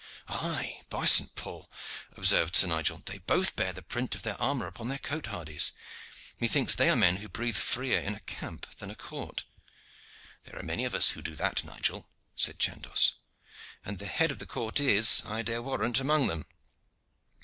"Aye, by St. Paul!" observed Sir Nigel, "they both bear the print of their armor upon their cotes hardies. Methinks they are men who breathe freer in a camp than a court." "There are many of us who do that, Nigel," said Chandos, "and the head of the court is, I dare warrant, among them.